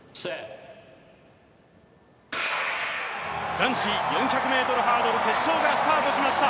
男子４００ｍハードル決勝がスタートしました。